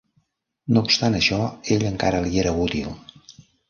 No obstant això, ell encara li era útil.